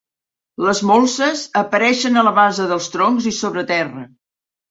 Les molses apareixen a la base dels troncs i sobre terra.